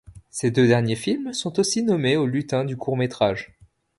Ces deux derniers films sont aussi nommés aux Lutins du court métrage.